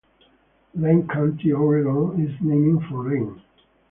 Lane County, Oregon, is named for Lane.